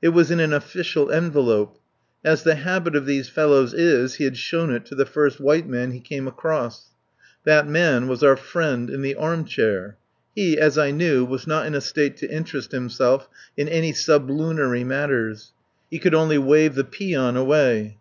It was in an official envelope. As the habit of these fellows is, he had shown it to the first white man he came across. That man was our friend in the arm chair. He, as I knew, was not in a state to interest himself in any sublunary matters. He could only wave the peon away.